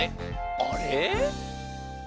あれ？